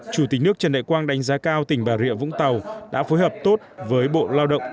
chủ tịch nước trần đại quang đánh giá cao tỉnh bà rịa vũng tàu đã phối hợp tốt với bộ lao động